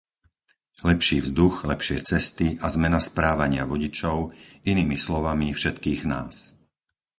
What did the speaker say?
Lepší vzduch, lepšie cesty a zmena správania vodičov, inými slovami, všetkých nás.